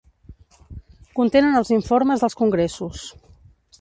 Contenen els informes dels congressos.